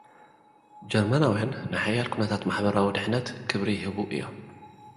ጀርመናውያን፡ ንሓያል ኲነታት ማሕበራዊ ድሕነት ክብሪ ይህቡ እዮም።